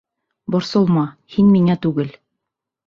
Борсолма, һин миңә түгел.